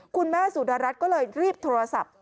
คุณแม่สุดารัฐก็เลยรีบโทรศัพท์